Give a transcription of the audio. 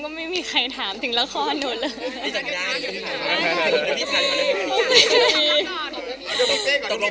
ไม่มีใครถามถึงละครหนูเลย